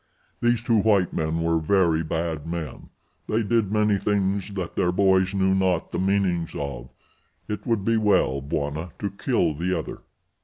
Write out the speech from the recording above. These two white men were very bad men. They did many things that their boys knew not the meanings of. It would be well, Bwana, to kill the other."